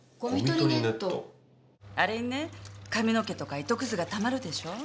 あれにね髪の毛とか糸くずがたまるでしょう。